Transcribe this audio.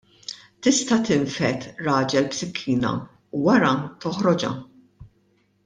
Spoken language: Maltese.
Tista' tinfed raġel b'sikkina u, wara, toħroġha.